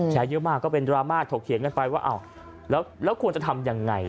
แชร์เยอะมากก็เป็นดราม่าถกเถียงกันไปว่าอ้าวแล้วควรจะทำยังไง